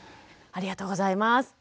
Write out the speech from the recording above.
ありがとうございます。